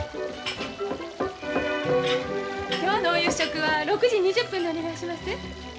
今日のお夕食は６時２０分でお願いします。